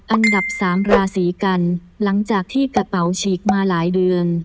อันดับสามราศีกันหลังจากที่กระเป๋าฉีกมาหลายเดือน